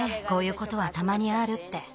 こういうことはたまにあるって。